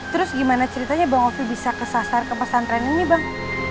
terus gimana ceritanya bang oki bisa kesasar ke pesantren ini bang